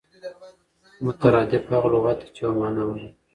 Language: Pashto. مترادف هغه لغت دئ، چي یوه مانا ولري.